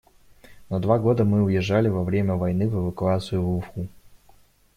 На два года мы уезжали во время войны в эвакуацию в Уфу.